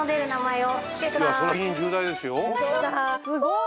すごい。